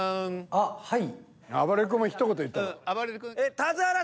あっはい。